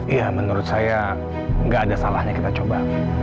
iya menurut saya nggak ada salahnya kita coba